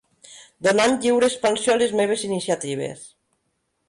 Donant lliure expansió a les meves iniciatives.